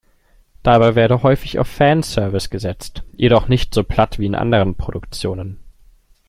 Dabei werde häufig auf Fanservice gesetzt, jedoch nicht so platt wie in anderen Produktionen.